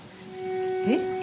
えっ？